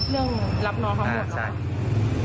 เรื่องรับน้องของผมนะคะ